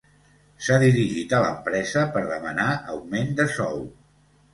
S'ha dirigit a l'empresa per demanar augment de sou.